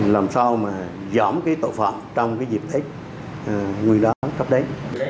làm sao mà dõm cái tội phạm trong cái dịp tích nguyên đoán khắp đấy